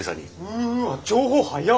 うわ情報早っ。